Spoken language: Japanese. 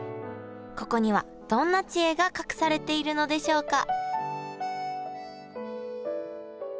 ここにはどんな知恵が隠されているのでしょうか？